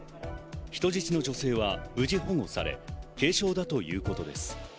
人質の女性は無事保護され、軽傷だということです。